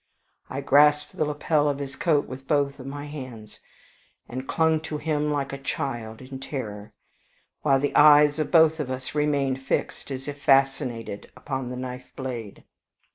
I grasped the lapel of his coat with both my hands, and clung to him like a child in terror, while the eyes of both of us remained fixed as if fascinated upon the knife blade.